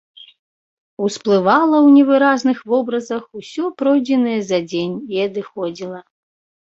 Усплывала ў невыразных вобразах усё пройдзенае за дзень і адыходзіла.